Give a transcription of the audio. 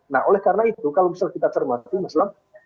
nah oleh karena itu kalau misal kita cermati mas blam